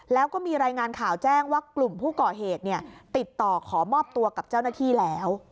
แล้วก็มีรายงานข่าวแจ้งว่ากลุ่มผู้ก่อเหตุติดต่อขอมอบตัวกับเจ้าหน้าที่แล้ว